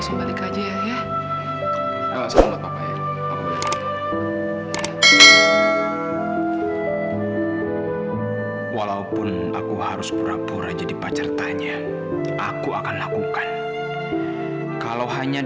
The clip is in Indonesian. sampai jumpa di video selanjutnya